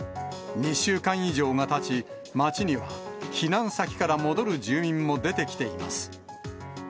２週間以上がたち、街には避難先から戻る住民も出てきています。